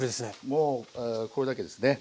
もうこれだけですね。